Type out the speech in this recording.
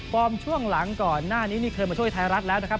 ช่วงหลังก่อนหน้านี้นี่เคยมาช่วยไทยรัฐแล้วนะครับ